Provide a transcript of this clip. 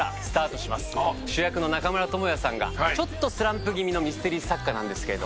主役の中村倫也さんがちょっとスランプ気味のミステリー作家なんですけれど。